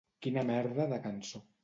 Quina merda de cançó.